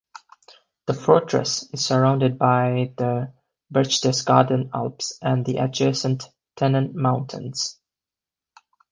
The fortress is surrounded by the Berchtesgaden Alps and the adjacent Tennen Mountains.